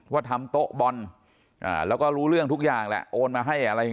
ว่าทำโต๊ะบอลแล้วก็รู้เรื่องทุกอย่างแหละโอนมาให้อะไรอย่างนี้